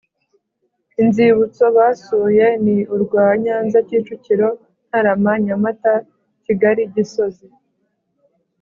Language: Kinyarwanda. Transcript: Inzibutso basuye ni urwa Nyanza Kicukiro Ntarama Nyamata Kigali Gisozi